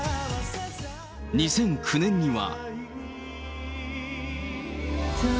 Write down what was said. ２００９年には。